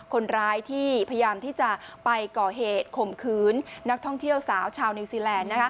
คนร้ายที่พยายามที่จะไปก่อเหตุข่มขืนนักท่องเที่ยวสาวชาวนิวซีแลนด์